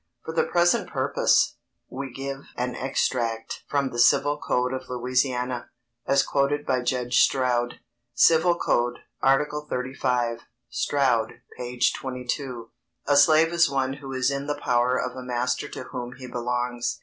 For the present purpose, we give an extract from the Civil code of Louisiana, as quoted by Judge Stroud: [Sidenote: Civil Code, Article 35. Stroud, p. 22.] A slave is one who is in the power of a master to whom he belongs.